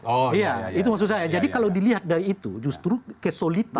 oh iya itu maksud saya jadi kalau dilihat dari itu justru kesulitan